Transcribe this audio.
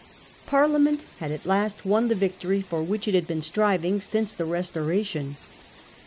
Parliament had at last won the victory for which it had been striving since the Restoration.